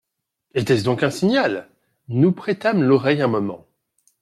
Était-ce donc un signal ? Nous prêtâmes l'oreille un moment.